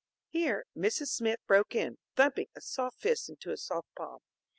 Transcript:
Here Mrs. Smith broke in, thumping a soft fist into a soft palm.